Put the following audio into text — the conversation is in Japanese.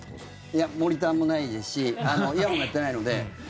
いやモニターもないですしイヤホンもやってないので。